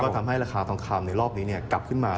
ทำให้ราคาทองคำในรอบนี้กลับขึ้นมา